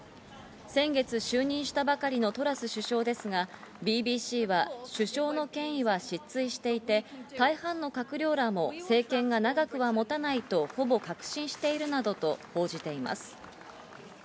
先月就任したばかりのトラス首相ですが、ＢＢＣは首相の権威は失墜していて大半の閣僚らも政権が長くは持たないとほぼ確信しているなどと報じています。